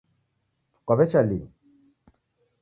Kwaw'echa lii?